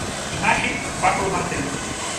Imaxe: Paco do Martelo.